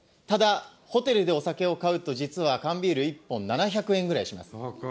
ただ、ホテルでお酒を買うと、実は缶ビール１本７００円くらいします。